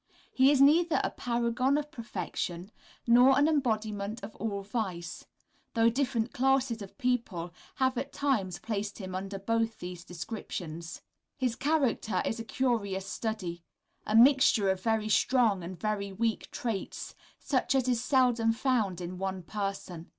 He is neither a paragon of perfection, nor an embodiment of all vice though different classes of people have at times placed him under both these descriptions. His character is a curious study a mixture of very strong and very weak traits, such as is seldom found in one person.